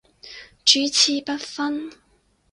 主次不分